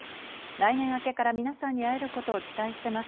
来年明けから皆さんに会えることを期待しています。